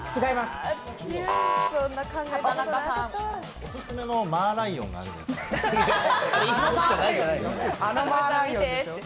オススメのマーライオンがあるんじゃないですか。